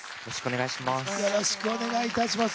よろしくお願いします。